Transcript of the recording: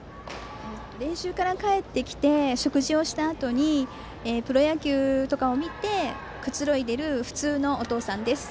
練習から帰ってきて食事をしたあとプロ野球とかを見てくつろいでいる普通のお父さんです。